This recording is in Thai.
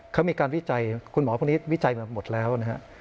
เขามีการวิจัยคุณหมอพวกนี้วิจัยมาหมดแล้วนะฮะ